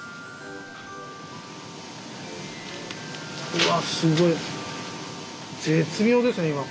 うわすごい絶妙ですね。